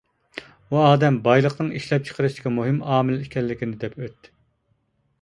ئۇ ئادەم بايلىقىنىڭ ئىشلەپچىقىرىشتىكى مۇھىم ئامىل ئىكەنلىكىنى دەپ ئۆتتى.